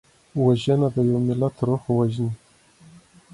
وژنه د یو ملت روح وژني